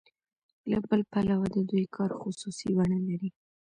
له بل پلوه د دوی کار خصوصي بڼه لري